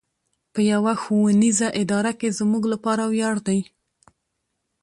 په يوه ښوونيزه اداره کې زموږ لپاره وياړ دی.